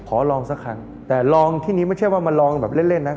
ขอลองสักครั้งแต่ลองที่นี้ไม่ใช่ว่ามาลองแบบเล่นเล่นนะ